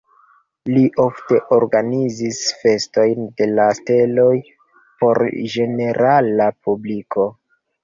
Li ofte organizis festojn de la steloj por ĝenerala publiko.